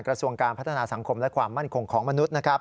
กระทรวงการพัฒนาสังคมและความมั่นคงของมนุษย์